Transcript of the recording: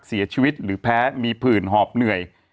เสียชีวิตหรือแพ้มีผื่นหอบเหนื่อย